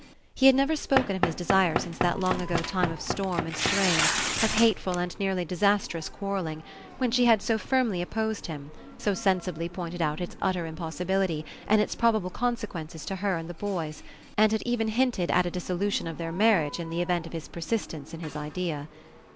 He had never spoken of his desire since that long ago time of 100 RE ENCOUNTER Storm and strain, of hateful and nearly disas trous quarrelling, when she had so firmly op posed him, so sensibly pointed out its utter impossibility and its probable consequences to her and the boys, and had even hinted at a dis solution of their marriage in the event of his persistence in his idea.